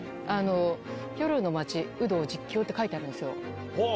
「夜の街有働実況」って書いてあるんですよ。